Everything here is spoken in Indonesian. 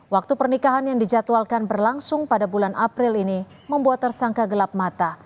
waktu pernikahan yang dijadwalkan berlangsung pada bulan april ini membuat tersangka gelap mata